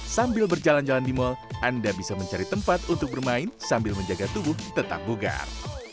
sambil berjalan jalan di mal anda bisa mencari tempat untuk bermain sambil menjaga tubuh tetap bugar